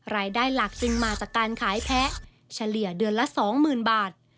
รายได้หลักจึงมาจากการขายแพ้เฉลี่ยเดือนละ๒๐๐๐บาท